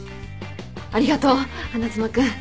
ありがとう花妻君。